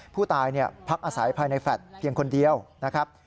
ผู้ตายพักอาศัยภายในแฟลต์เพียงคนเดียวนะครับ